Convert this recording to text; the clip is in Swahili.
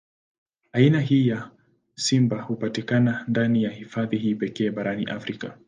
Aina hii ya simba hupatikana ndani ya hifadhi hii pekee barani Afrika.